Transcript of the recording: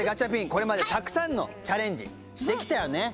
これまでたくさんのチャレンジしてきたよね。